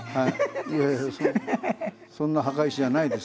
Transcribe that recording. いやいやそんな墓石じゃないです。